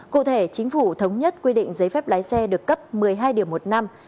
cụ thể chính phủ thống nhất quy định giấy phép lái xe được cấp một mươi hai điểm một năm